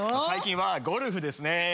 最近はゴルフですね。